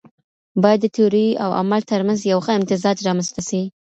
بايد د تيوري او عمل ترمنځ يو ښه امتزاج رامنځته سي.